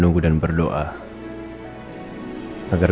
dan harap berhasil dan sepatahnya